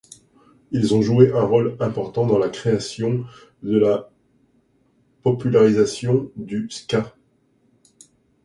Ils ont joué un rôle important dans la création et la popularisation du ska.